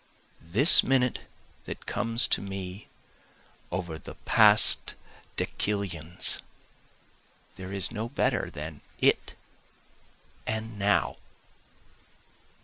This minute that comes to me over the past decillions, There is no better than it and now.